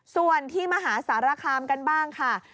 ส่วนที่มหาสารคามกันบ้างค่ะ